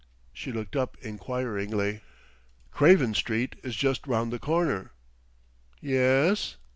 She looked up inquiringly. "Craven Street is just round the corner." "Yes?"